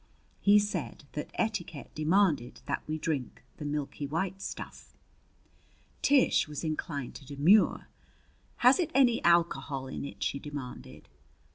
He said that etiquette demanded that we drink the milky white stuff. Tish was inclined to demur. "Has it any alcohol in it?" she demanded.